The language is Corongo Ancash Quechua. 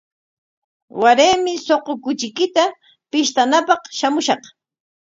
Waraymi suqu kuchiykita pishtanapaq shamushaq.